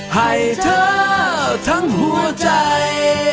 ให้เธอทั้งหัวใจ